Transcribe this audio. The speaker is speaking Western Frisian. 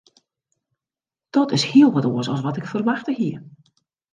Dat is hiel wat oars as wat ik ferwachte hie.